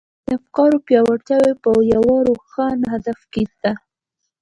د افکارو پياوړتيا په يوه روښانه هدف کې ده.